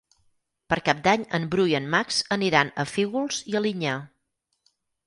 Per Cap d'Any en Bru i en Max aniran a Fígols i Alinyà.